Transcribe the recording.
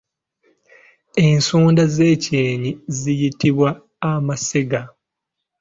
Ensonda z’ekyenyi ziyitibwa amasega.